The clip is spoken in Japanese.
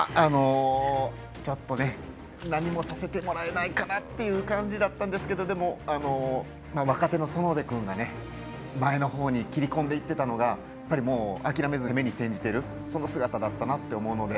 ちょっとね何もさせてもらえないかなという感じだったんですけどでも、若手の園部君が前のほうに切り込んでいったのが諦めずに攻めに転じている姿だったなと思うので。